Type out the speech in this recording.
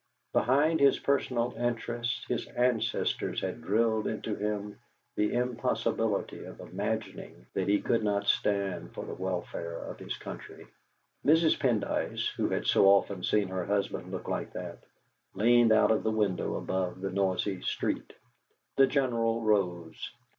Behind his personal interests his ancestors had drilled into him the impossibility of imagining that he did not stand for the welfare of his country. Mrs. Pendyce, who had so often seen her husband look like that, leaned out of the window above the noisy street. The General rose.